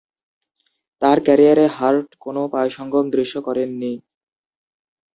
তার ক্যারিয়ারে, হার্ট কোনও পায়ুসঙ্গম দৃশ্য করেননি।